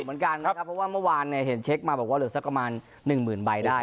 เพราะว่าเมื่อวานเห็นเช็คมาบอกว่าเหลือสักกระมาณ๑หมื่นใบได้